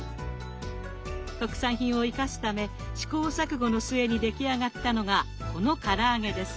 特産品を生かすため試行錯誤の末に出来上がったのがこのから揚げです。